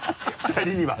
２人には。